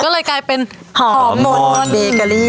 ก็เลยกลายเป็นหอมมนต์เบเกอรี่